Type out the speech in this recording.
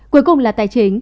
cuối cùng là tài chính